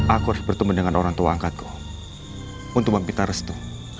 aku harus bertemu dengan orang tua angkatku untuk meminta restu